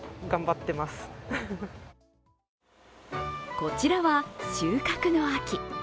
こちらは収穫の秋。